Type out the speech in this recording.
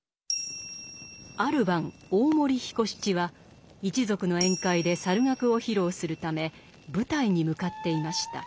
ある晩大森彦七は一族の宴会で猿楽を披露するため舞台に向かっていました。